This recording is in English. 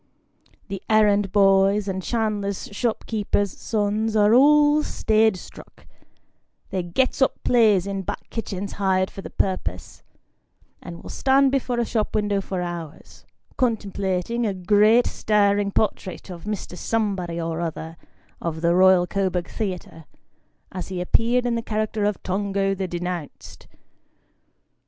The errand boys and chandler's shop keepers' sons, are all stage struck : they ""gets up " plays in back kitchens hired for the Ratcliff Highway. \ 3 3 purpose, and will stand before a shop window for hours, contemplating a great staring portrait of Mr. Somebody or other, of the Royal Coburg Theatre, " as he appeared in the character of Tongo the Denounced."